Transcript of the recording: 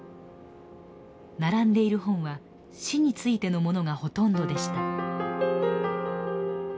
並んでいる本は死についてのものがほとんどでした。